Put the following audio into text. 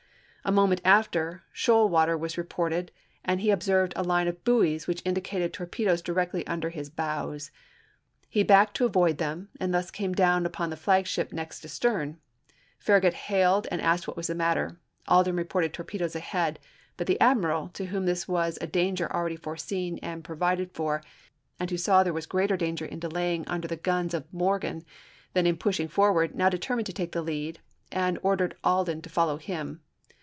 A moment after, shoal water was reported, and he observed a line of buoys which indicated torpedoes directly under his bows. He backed to avoid them, and thus came down upon the flagship next astern. Farragut hailed and asked what was the matter; Alden reported torpedoes ahead; but the admiral, to whom this was a danger already foreseen and provided for, and who saw there was greater danger in delaying under the guns of Morgan than in pushing for ward, now determined to take the lead and ordered MOBILE BAY 233 Alden to follow him.